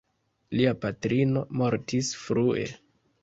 Lia patrino mortis frue.